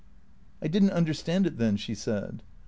" I did n't understand it then," she said.